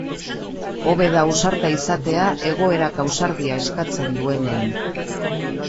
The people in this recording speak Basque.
Hobe da ausarta izatea egoerak ausardia eskatzen duenean.